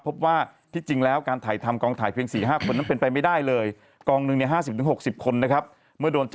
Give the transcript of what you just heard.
พบว่าที่จริงแล้วการถ่ายทำกองถ่ายเพียง๔๕คนนั้นเป็นไปไม่ได้เลย